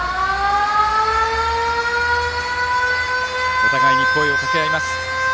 お互いに声をかけ合います。